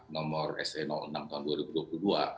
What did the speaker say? nomor se enam tahun dua ribu dua puluh dua